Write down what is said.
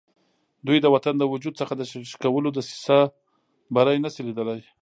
دوی د وطن د وجود څخه د شکولو دسیسه کې بری نه شي لیدلای.